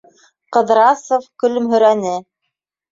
- Ҡыҙрасов көлөмһөрәне.